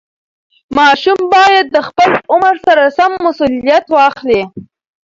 ماشوم باید د خپل عمر سره سم مسوولیت واخلي.